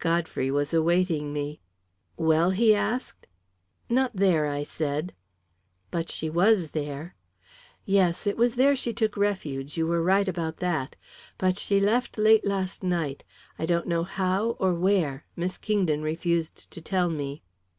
Godfrey was awaiting me. "Well?" he asked. "Not there," I said. "But she was there?" "Yes; it was there she took refuge you were right about that; but she left late last night. I don't know how or where. Miss Kingdon refused to tell me."